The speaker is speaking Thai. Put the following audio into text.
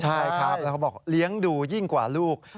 ใช่ครับแล้วเขาบอกเลี้ยงดูยิ่งกว่าลูก